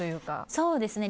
そうですね。